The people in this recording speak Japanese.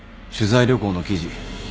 取材旅行の記事。